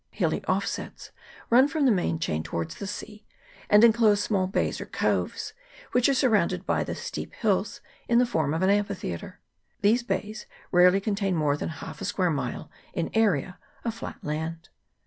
Hilly offsets run from the main chain towards the sea, and enclose small bays or .coves, which are surrounded by the steep hills in the form of an amphitheatre. These bays rarely contain more than half a square mile in area of flat land.